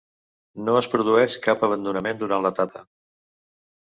No es produeix cap abandonament durant l'etapa.